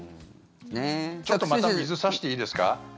ちょっとまた水差していいですか？